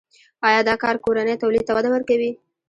آیا دا کار کورني تولید ته وده ورکوي؟